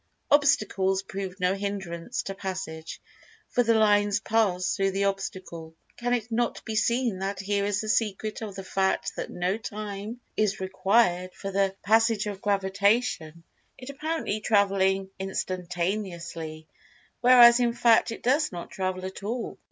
Obstacles proved no hindrance to passage, for the lines passed through the obstacle. Can it not be seen that here is the secret of the fact that no "time" is required for the passage of Gravitation—it apparently traveling instantaneously, whereas, in fact, it does not "travel" at all.